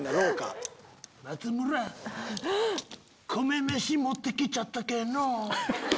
松村米飯持ってきちゃったけぇのう。